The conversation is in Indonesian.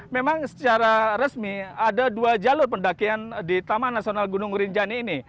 memang secara resmi ada dua jalur pendakian di taman nasional gunung rinjani ini